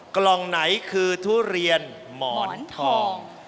กล่องไหนคือทุเรียนหมอนทอง